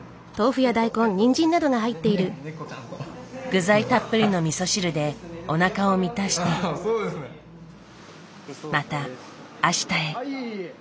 具材たっぷりの味噌汁でおなかを満たしてまた明日へ。